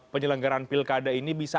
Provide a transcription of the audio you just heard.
penyelenggaran pilkada ini bisa